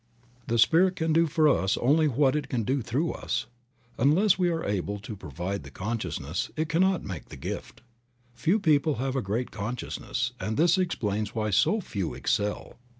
The Spirit can do for us only what it can do through us. Unless we are able to provide the consciousness, it cannot make the gift. Few people have a great consciousness, and this explains why so few excel.